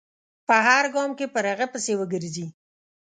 په هر ګام کې پر هغه پسې و ګرځي.